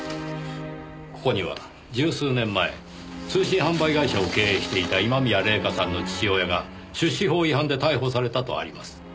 ここには十数年前通信販売会社を経営していた今宮礼夏さんの父親が出資法違反で逮捕されたとあります。